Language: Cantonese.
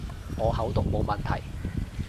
我口讀冇問題